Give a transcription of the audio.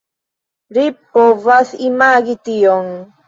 Ri provas imagi ion.